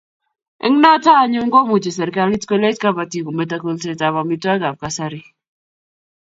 Eng' notok anyun ko imuchi serikalit kolech kabatik kometo kolset ab amitwogik ab kasari